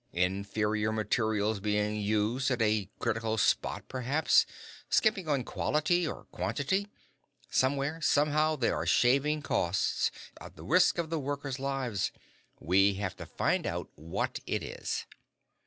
Inferior materials being used at a critical spot, perhaps. Skimping on quality or quantity. Somewhere, somehow, they are shaving costs at the risk of the workers' lives. We have to find out what it is."